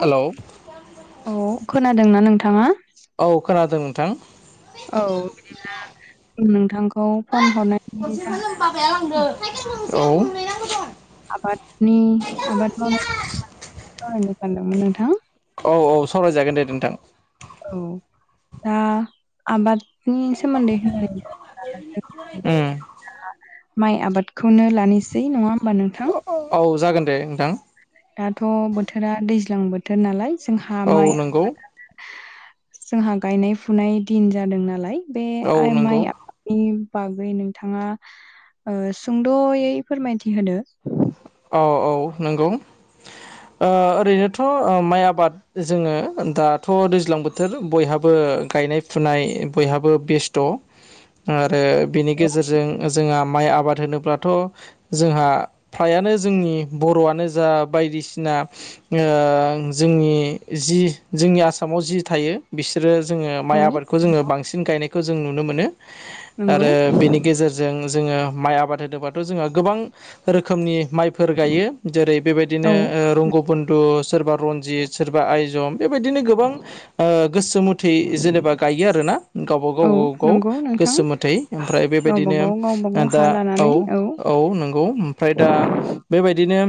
Hello खोनादोंना नोंथाङा औ खोनादों नोंथां। औ बिदिब्ला नोंथांखौ फन हो हरनायनि गरसेखौ जाहोन नो बाबाया लांदो औ साइेखेल गंनै नांगौ दं। आबादनि आबाद मानायनि सोमोन्दै फोरमायनो सानदोंमोन नोंथां। औ औ सावरायजागोन दे नोंथां औ दा आबाद नि सोमोनदै उम माइ आबादखौनो लानोसै नङा होमबा नोंथां? औ जागोन दे नोंथां दाथ' बोथोरा दैज्लां बोथोर नालाय जोंहा औ माइ नंगौ जोंहा गायनाय फुनाय दिन जादों नालाय बे औ आइ नंगौ माइ इ बागै नोंथाङा ओ सुंद'यै फोरमायथि होदो औ औ नंगौ ओरैनोथ' ओ माइ आबाद जोङो दाथ' दैज्लां बोथोर बयहाबो ओ गनाय फुनाय बयहाबो बेस्थ' आरो बिनि गेजेरजों जोंहा माइ आबाद होनोब्लाथ' जोंहा फ्रायानो जोंनि बर'आनो जा बायदिसिना ओ जोंनि जि जोंनि आसामाव जि थायो बिसोरो जोङो औ माइ आबादखौ जोङो बांसिन गायनायखौ जों नुनो मोनो नंगौ आरो बेनि गेजेरजों जोङो माइ आबाद होनोबाथ' जोंहा गोबां रोखोमनि माइफोर गायो जेरै बेबायदिनो औ रंग बन्दु सोरबा रनजित सोरबा आयजम बेबायदिनो गोबां ओ गोसो मुथै जेनेबा गायो आरोना। गावब औ गावागाव नंगौ नोंथां गोसो मोथै ओमफ्राय बेबायदिनो गावबागाव गावबागाव दा हा लानानै औ औ औ नंगौ ओमफ्राय दा बेबायदिनो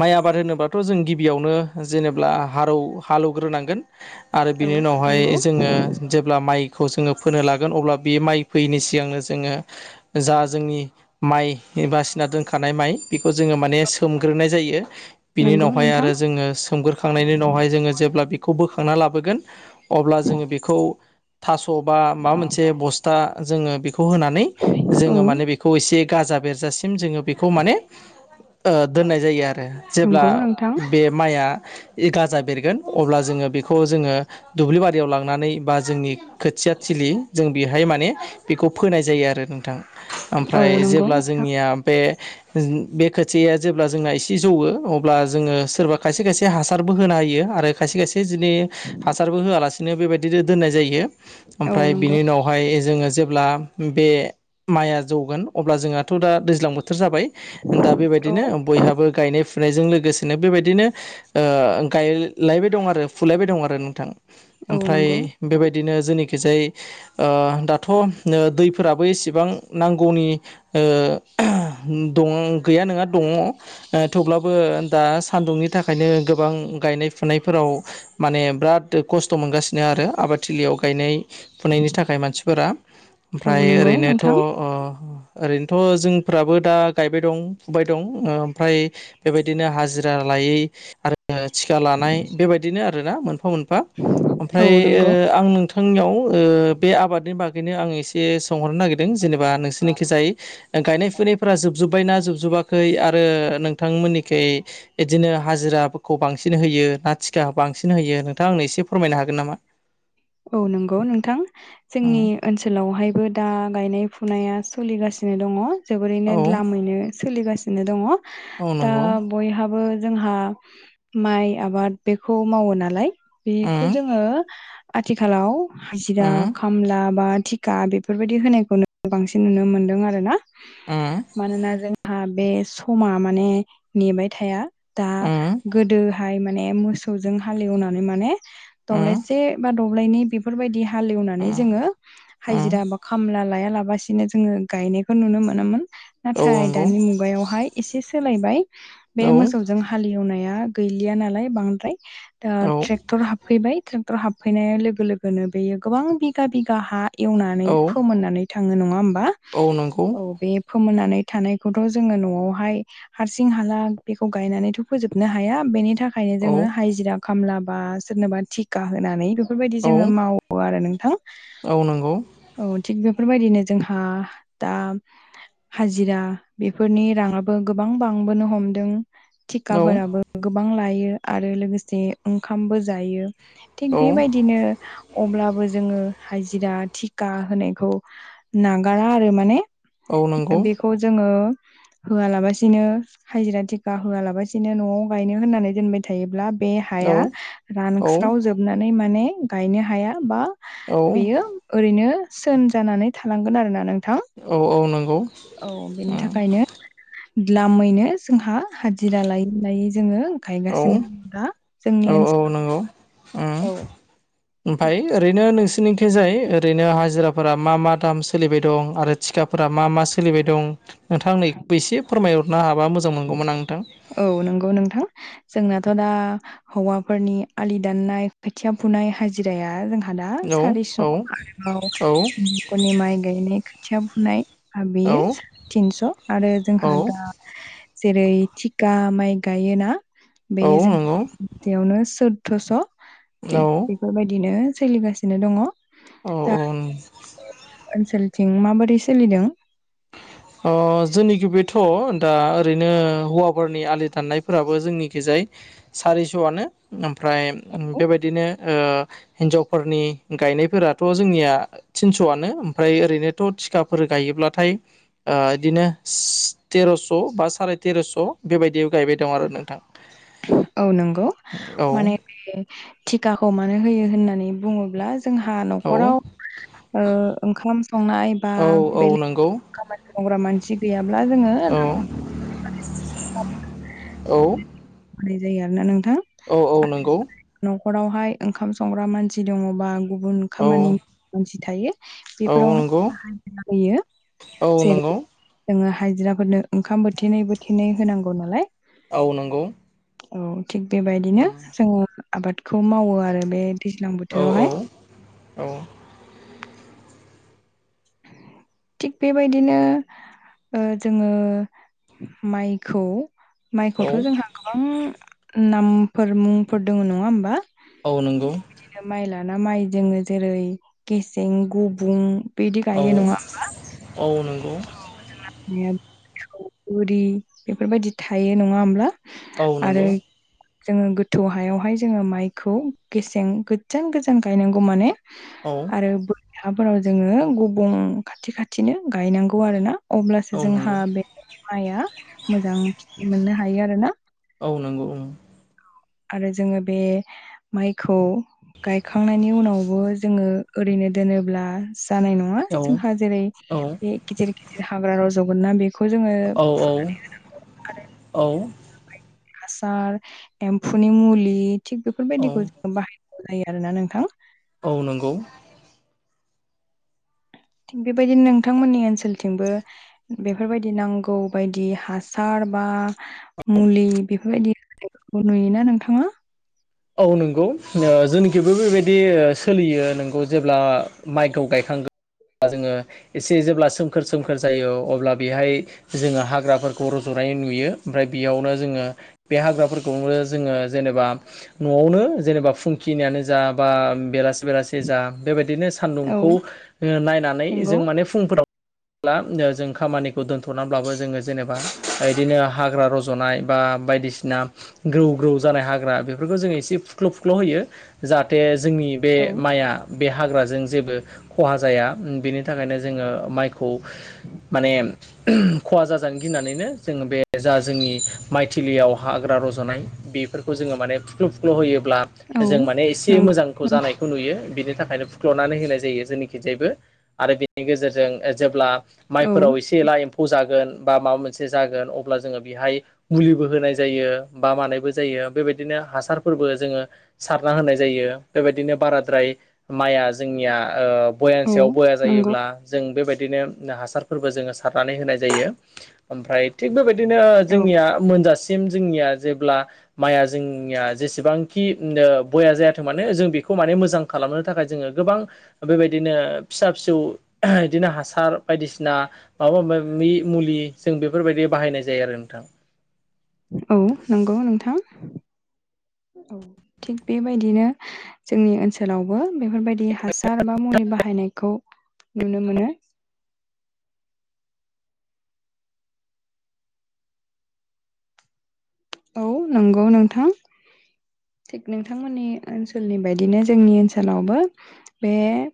माइ आबाद होनोबाथ' जों गिबियावनो जेनेब्ला हालौ हालौवग्रोनांगोन। आरो औ बिनि उनावहाय नंगौ जोङो जेब्ला माइ खौ जोङो फोनो लागोन अब्ला बे माइ फोयैनि सिगांनो जोङो जा जोंनि माइ एबा फिना दोनखानाय माइ बेखौ जोङो माने सोमग्रोनाय जायो बिनि नंगौ उनावहाय नोंथां आरो जोङो सोमग्रोखां नायनि उनावहाय जोङो जेब्ला बेखौ बो खांना लाबोगोन अब्ला जोङो बेखौ थास' बा माबा मोनसे बस्था जोङो बेखौ होनानै औ जोङो माने बेखौ एसे गाजा बेरजासि म जोङो बेखौ माने ओ दोननाय जायो आरो जेब्ला नंगौ नोंथां बे माइआ इ गाजा बेरगोन अब्ला जोङो बेखौ जोङो दुब्लि बारियाव लांनानै बा जोंनि खोथिया थिलि जों बेहाय माने बेखौ फोनाय जायो आरो नोंथां। औ ओमफ्राय नंगौ जेब्ला नोंथां जोंनिया बे बे खोथिया जेब्ला जोंना एसे जौवो अब्ला जोङो सोरबा खायसे खायसे हासारबो होनो हायो आरो खायसे खायसे बिनि हासारबो होआलासिनो बेबायदिनो दोननाय जायो। औ ओमफ्राय नंगौ बिनि उनावहाय जोङो जेब्ला बे माइआ जौगोन अब्ला जोंहाथ दा दैज्लां बोथोराव जाबाय दा औ बेबायदिनो बयहाबो गायनाय फुनायजों लोगोसेनो बेबायदि बिदिनो ओ गायलायबाय दं आरो फुलायबाय दं आरो नोंथां। औ ओमफ्राय नंगौ बेबायदिनो जोंनिखिजाय दाथ दैफोराबो एसेबां नांगौनि [inaudible] दङ गैया नङा दङ थेवब्लाबो दा सान्दुंनि थाखायनो गोबां गायनाय फुनायफोराव माने बिराद खस्थ मोनगासिनो आरो आबादथिलियाव गायनाय फुनायनि थाखाय मानसिफोरा औ ओमफ्राय नंगौ ओरैनोथ नोंथां ओरैनोथ जों फोराबो दा गायबाय दं फुबाय दं ओमफ्राय बेबायदिनो हाजिरा लायै आरो थिका लानाय बेबायदिनो आरोना मोनफा मोनफा औ ओमफ्राय नंगौ आं नोंथां बिथांनियाव बे आबादनि बागैनो आं एसे सोंहरनो नागिरदों जेनेबा नोंसोरनि थिंजाय गायनाय फुनाय जोबजोबबायना जोबजोबाखै आरो नोंथांमोननिखि बिदिनो हाजिराखौ बांसिन होयो ना टिखाखौ बांसिन होयो नोंथां आंनो एसे फोरमायनो हागोन नामा? औ नंगौ नोंथां उम जोंनि ओनसोलावहायबो दा गायनाय फुनाया सोलिगासिनो दङ जोबोरैनो औ लामैनो सोलिगासिनो दङ। औ दा नंगौ बयहाबो जोंहा माइ आबाद बेखौ मावो नालाय। बेखौ उम जोङो आथिखालाव हाजिरा उम खामला बा थिखा बेफोरबायदि होनायखौ बांसिन नुनो मोन्दों आरो ना। उम मानोना जोंहा बे समा माने नेबाय थाया। दा उम गोदोहाय माने मोसौजों हालेवनानै माने उम दब्लायसे बा दब्लायनै बेफोर बादि हालेवनानै उम जोङो उम हाजिरा बा माबासिनो जोङो गायनायखौ नुनो मोनोमोन औ नाथाय नंगौ दानि मुगायावहाय एसे सोलायबाय बे औ मोसौजों हालेवनाया गैलिया नालाय बांद्राय औ ट्रेक्टर हाबफैबाय ट्रेक्टर हाब सफैनाय लोगो लोगोनो बेयो गोबां बिगा बिगा हा एवनानै औ फोमोननानै थाङो नङा होमबा? औ नंगौ औ बे फोमोननानै थानायखौथ जोङो नआवहाय हारसिं हाला बेखौ गायनानैथ फोजोबनो हाया बेनि थाखाय थाखायनो औ जोङो हाइजिरा खामला बा सोरनोबा थिखा होनानै बेफोरबायदि औ जोङो मावो आरो नोंथां औ नंगौ औ थिग बे फोरबायदिनो जोंहा दा हाजिरा बेफोरनि राङाबो गोबां बांबोनो हमदों। औ थिखाफोराबो गोबां लायो आरो लोगोसे ओंखामबो जायो। थिग औ बेबायदिनो अब्लाबो जोङो हाजिरा थिखा होनायखौ नागारा आरो माने औ नंगौ बेखौ जोङो होआलाबसिनो हाजिरा थेखाा होआलाबसिनो नआव गायनो होननानै दोनबाय थायोब्ला। बे औ हाया औ रानस्राव जोबनानै माने गायनो हाया बा। औ बेयो ओरैनो सोन जानानै थालांगोन आरोना नों औ औ नों औ बेनि थाखायनो द्लामैनो जोंहा हाजिरा लायै लायै जोङो औ गायगासिनो दं दा औ जोंनि औ नंगौ ओनसोलाव ओमफफ्राय ओरैनो नोंसोरनिंखिजाय ओरैनो हाजिराफोरा मा मा दाम सोलिबाय दं आरो थिखाफोर फोरा मा-मा सोलिबाय दं नोंथाङा आंनो एसे फोरमायहरनो हाब औ नंगौ नोंथां जोंनाथ' दा हौवाफोरनि आलि दाननाय खोथिया फुनाय हाजिराया जोंहा आदा औ सारिस औ आरोबाव माइ गायनाय खोथिया फुनाय औ बेयो तिनस' आरो औ जोंहा औ दा जेरै थिखा माइ गायोना बे औ नंगौ जोंयावनो [unintelligible] [unintelligible] 'स' थिग औ बेफोरबायदिनो सोलिगासिनो दङ औ दा औ ओनसोलथिं माबोरै सोलिदों? अ जोंनिखि बेथ' दा ओरैनो हौवाफोरारनि आलि दाननायफोराबो जोंनि खिजाय सारिस'आनो ओमफ्राय बेबायदिनो हिनजावफोरनि गायनायफोराथ' जोंनिया थिनस'आनो ओमफ्राय ओरैनोथ' थिखाफोर गायोब्लाथाय बिदिनो तेर'स' बा साराय तेर'स' बेबायदि गायबाय दं आरो नोंथां। औ नंगौ औ माने बे थिखाखौ मानो होयो होननानै बुङोब्ला जोंहा औ न'खराव ओंखाम संनाय बा औ औ बेलेग नंगौ खामानि मावग्रा मानसि गैयाब्ला जोङो [inaudible] औ औ मानाय जायो आरोना नों औ औ नंगौ नखरावहाय ओंखाम संग्रा मानसि दङबा? गुबुन औ खामानि मानसि थायो औ नंगौ बेफोरावहाय हान्जा होयो। औ नंगौ जोङो हायजिराफोरनो ओंखाम बोथिनै बोथिनै होनांगौ नालाय। ओ नंगौ औ थिग बेबायदिनो उम जोङो आबादखौ मावो आरो बे दैज्लां औ बोथोरावहाय औ [inaudible] थिग बेबायदिनो ओ जोङो माइखौ औ माइखौथ' जोंहा गोबां नामफोर मुंफोर दङ नङा होमबा? औ नंगौ बिदिनो माइ लाना माइ जोङो जेरै गेसें गुबुं बिदि औ गायो नङा होमबा? औ नंगौ [unintelligible] बेफोरबायदि थायो नङा होमब्ला? ओ आरो नंगौ जोङो गोथौ हायावहाय जोङो माइखौ गेसें गोजान गोजान गायनांगौ माने औ आरो बोरिफोराव जोङो गुबुं खाथि खाथिनो गायनांगौ आरोना अब्लासो औ जोंहा नंगौ बे माइआ मोजां मोननो हायो आरोना। औ नंगौ ओं आरो जोङो बे माइखौ गायखांनायनि उनावबो जोङो ओरैनो दोनोब्ला जानाय नङा औ जोंहा जेरै औ बे गेजिर गेजिर हाग्रा रावजगोनना बे बेखौ जोङो औ फुनानै होनांगौ आरो। औ हासार एम्फौनि मुलि थिग औ बेफोरबायदिखौ जों बाहाय जायो आरोना नोंथां। औ नंगौ थिग बेबायदिनो नोंथांमोननि ओनसोलथिंबो बेफोरबायदि नांगौ बायदि हासार बा मुलि बेफोरबायदिफोरखौ नुयोना नोंथाङा औ नंगौ जोंनिखिबो बेबायदि सोलियो नोंगौ जेब्ला माइखौ गायखांगोन। जोङो एसे जेब्ला सोमखोर सोमखोर जायो अब्ला बेहाय जोङो हाग्राफोरखौ रज'नाय नुयो ओमफ्राय बेयावनो जोङो बे हाग्राफोरखौनो जोङो जेनेबा न'आवनो जेनेबा फुंखिनियानो जा बा बेलासि बेलासि जा बेबायदि नो औ सानदुंखौ नायनानै नंगौ जों माने फुंफोराव [inaudible] ब्ला जों खामानिखौ दोनथ'नानैब्लाबो जोङो जेनेबा बिदिनो हाग्रा रज'नाय बा बायदि दिसिना ग्रौ ग्रौ जानाय हाग्रा बे फोरखौ जोङो एसे फुख्ल' फुख्ल' होयो जाहाथे जोंनि बे औ माइया बे हाग्रा जों जेबो खहा जाया बेनि थाखायनो जोङो माइखौ माने खहा जाजानो गिनानैनो जोङो बे जा जोंनि माइथिलियाव हाग्रा रज'नाय बेफोरखौ जोङो माने फुख्ल' फुख्ल' होयोब्ला औ जों माने एसे नंगौ मोजांखौ नोंथां। जानायखौ नुयो बिनि थाखायनो फुख्ल'नानै होनाय जायो जोंनि खिजायबो आरो बेनि गेजेरजों जों जेब्ला औ माइफोराव एसे एला एम्फौ जागोन। बा माबा मोनसे जागोन अब्ला जोङो बेहाय मुलिबो होनाय जायो बा मानायबो जायो बेबायदिनो हा सारफोरबो जोङो सारना होनाय जायो बेबायदिनो बाराद्राय माइआ जोंनिया ओ बयानि औ सायाव बया नंगौ जायोब्ला जों बेबायदि नो हासारफोरबो जोङो सारनानै होनाय जायो ओमफ्राय थिग बेबाय दिनो औ जोंनिया मोनजासिम जोंनिया जेब्ला माइया जोंनिया जेसेबांखि बया जायाथों माने जों बेखौ माने मोजां खालामनो थाखाय जोङो गोबां बेबायदि नो फिसा फिसौ ओ बिदिनो हासार बायदिसिना माबा माबि मुलि जों बेफोरबायदि बाहायनाय जायो आरो नोंथां। औ नंगौ नोंथां। औ थिग बेबायदिनो जोंनि ओनसोलावबो बेफोरबायदि हासार बा मुलि बाहायनायखौ नुनो मोनो‌। औ नंगौ नोंथां थिग नोंथांमोननि ओनसोलनि बायदिनो जोंनि ओनसोलावबो बे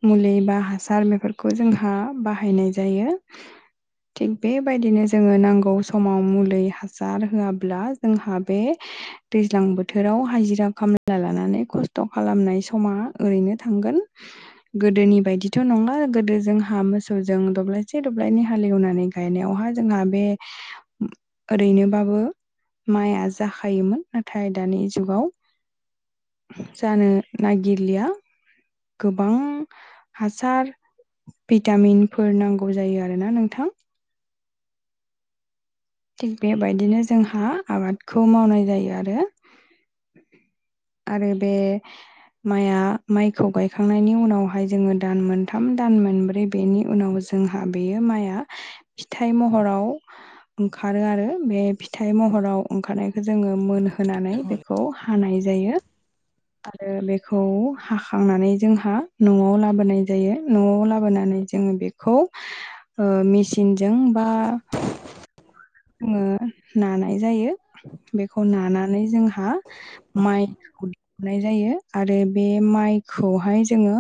मुलि बा हासार बेफोरखौ जोंहा बाहायनाय जायो। थिग बेबायदिनो जोङो नांगौ समाव मुलि हासार होआब्ला जोंहा बे दैज्लां बोथोराव हाजिरा खामला लानानै खस्थ' खालामनाय समा ओरैनो थांगोन गोदोनि बायदिथ' नंला गोदो जोंहा मोसौजों दब्लायसे दब्लायनै हालेवनानै गायनायावहाय जोंहा बे ओरैनोबाबो माइआ जाखायोमोन नाथाय दानि जुगाव जानो नागिरलिया गोबां हासार भिटामिनफोर नांगौ जायो आरोना नोंथां। थिग बेबायदिनो जोंहा आबादखौ मावनाय जायो आरो। आरो बे माइआ माइखौ गायखांनायनि उनावहाय जोङो दान मोनथाम दान मोनब्रै बेनि उनाव जो- हा बेयो माइआ फिथाइ महराव ओंखारो आरो बे फिथाइ महराव ओंखारनायखौ जोङो मोनहोनानै बेखौ हानाय जायो। आरो बेखौ हाखांनानै जोंहा न'आव लाबोनाय जायो न'आव लाबोनानै जों बेखौ ओ मेचिनजों बा ओ ना नाय जायो बेखौ नानानै जोंहा माइखौ दिहुननाय जायो आरो बे माइखौहाय जोङो